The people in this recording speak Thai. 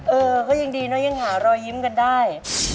เออก็ยังดีนะยังหารอยยิ้มกันได้